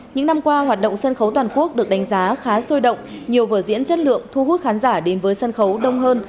những năm qua hoạt động sân khấu toàn quốc được đánh giá khá sôi động nhiều vở diễn chất lượng thu hút khán giả đến với sân khấu đông hơn